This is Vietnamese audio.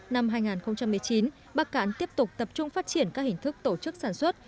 năm hai nghìn một mươi chín bắc cạn tiếp tục tập trung phát triển các hình thức tổ chức sản xuất